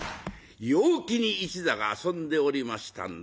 陽気に一座が遊んでおりましたんだが。